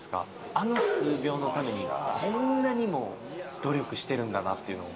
あの数秒のためにこんなにも努力してるんだなってのを。